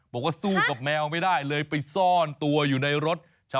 บอกว่าสู้กับแมวไม่ได้เลยไปซ่อนตัวอยู่ในรถ